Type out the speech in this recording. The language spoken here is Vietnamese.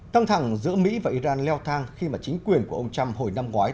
căng thẳng giữa mỹ và iran leo thang khi mà chính quyền của ông trump hồi năm ngoái